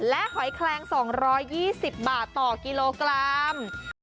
และหอยแคลง๒๒๐บาทต่อกิโลกรัม